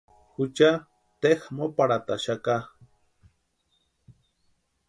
Jucha teja móparhataxaka.